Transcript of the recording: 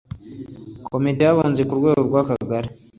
Komite y abunzi ku rwego rw akagari